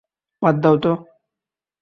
বাদ দাও তো।